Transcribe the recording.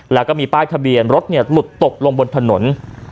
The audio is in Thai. แล้วก็มีป้ายทะเบียนรถหลุดตกลงบนถนน